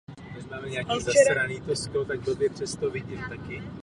Jeho tělo objevil přítel a kolega Bill Wallace.